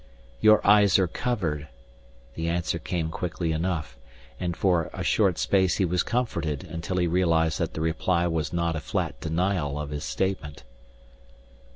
"Your eyes are covered," the answer came quickly enough, and for a short space he was comforted until he realized that the reply was not a flat denial of his statement.